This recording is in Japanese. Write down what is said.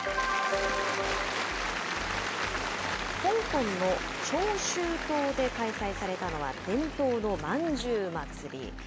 香港の長洲島で開催されたのは、伝統のまんじゅう祭り。